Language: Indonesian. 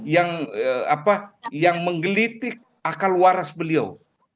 yang menggelitik akal waras beliau